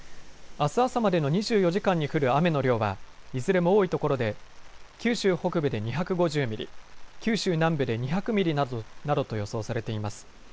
あす朝までの２４時間に降る雨の量はいずれも多いところで九州北部で２５０ミリ、九州南部で２００ミリなどと予想されています。